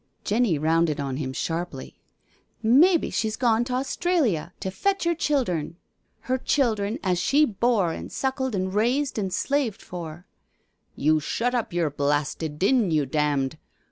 Jenny rounded on him sharply. " Maybe she's gone t' Australia to fetch 'er child hern. Her childhern as she bore an' suckled an' raised an' slaved for "" You shut up yer blasted din, you damned